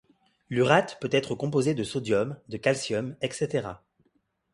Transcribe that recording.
L'urate peut être composé de sodium, de calcium, etc.